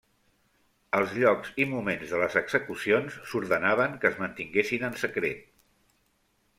Els llocs i moments de les execucions s'ordenaven que es mantinguessin en secret.